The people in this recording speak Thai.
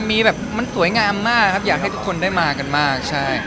มีแบบมันสวยงามมากครับอยากให้ทุกคนได้มากันมากใช่